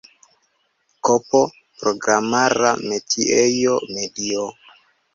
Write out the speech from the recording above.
Kp programara metiejo, medio.